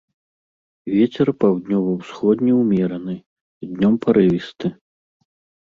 Вецер паўднёва-ўсходні ўмераны, днём парывісты.